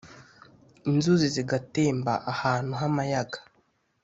inzuzi zigatemba ahantu h’amayaga,